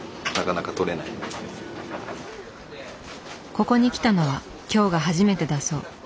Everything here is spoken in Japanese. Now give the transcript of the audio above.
ここに来たのは今日が初めてだそう。